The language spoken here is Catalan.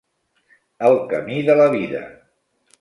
El camí de la vida.